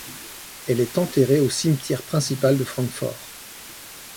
Elle est enterrée au cimetière principal de Francfort.